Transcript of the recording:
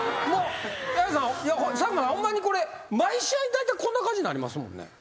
佐久間さんホンマにこれ毎試合だいたいこんな感じになりますもんね？